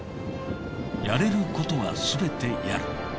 やれることはすべてやる。